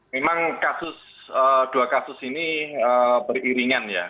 memang dua kasus ini beriringan ya